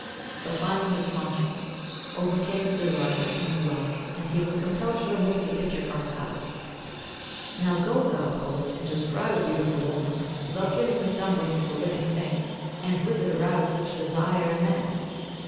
But finally his conscience overcame his desire and his lust and he was compelled to remove the picture from his house. Now go thou, poet, and describe a beautiful woman without giving the semblance of the living thing, and with it arouse such desire in men!